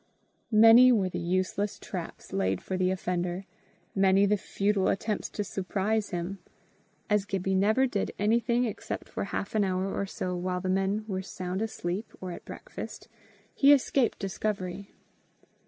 Many were the useless traps laid for the offender, many the futile attempts to surprise him: as Gibbie never did anything except for half an hour or so while the men were sound asleep or at breakfast, he escaped discovery.